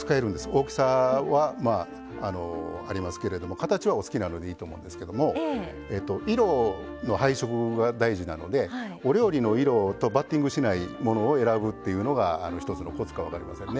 大きさはありますけれども形はお好きなのでいいと思うんですけども色の配色が大事なのでお料理の色とバッティングしないものを選ぶっていうのが一つのコツか分かりませんね。